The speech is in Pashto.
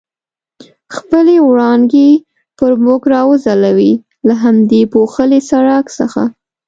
خپلې وړانګې پر موږ را وځلولې، له همدې پوښلي سړک څخه.